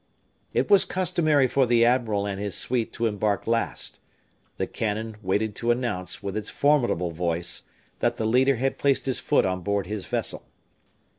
It was customary for the admiral and his suite to embark last; the cannon waited to announce, with its formidable voice, that the leader had placed his foot on board his vessel.